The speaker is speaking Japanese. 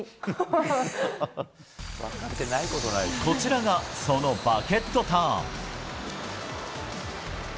こちらが、そのバケットターン。